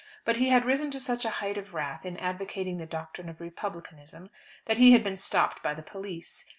But he had risen to such a height of wrath in advocating the doctrine of Republicanism that he had been stopped by the police.